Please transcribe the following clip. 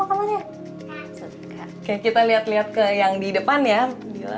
oke kita lihat lihat ke yang di depan ya